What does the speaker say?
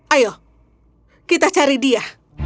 ayo kita cari dia